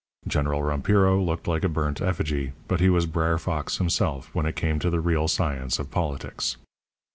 General Rompiro looked like a burnt effigy, but he was Br'er Fox himself when it came to the real science of politics.